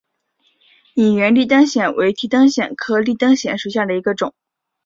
隐缘立灯藓为提灯藓科立灯藓属下的一个种。